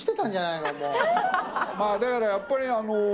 だからやっぱりあのう。